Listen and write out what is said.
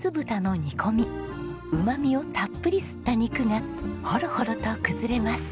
うまみをたっぷり吸った肉がホロホロと崩れます。